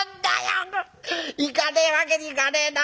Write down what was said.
行かねえわけにいかねえな。